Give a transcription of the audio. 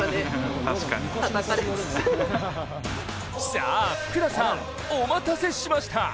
さあ福田さん、お待たせしました。